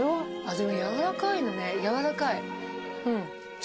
でもやわらかいのねやわらかい。